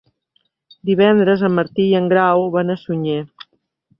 Divendres en Martí i en Grau van a Sunyer.